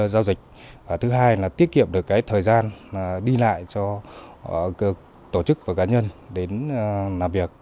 giao dịch thứ hai là tiết kiệm được thời gian đi lại cho tổ chức và cá nhân đến làm việc